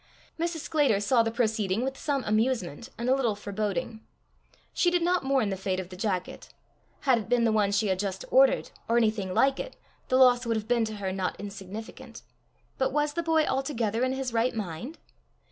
Mrs. Sclater saw the proceeding with some amusement and a little foreboding. She did not mourn the fate of the jacket; had it been the one she had just ordered, or anything like it, the loss would have been to her not insignificant: but was the boy altogether in his right mind?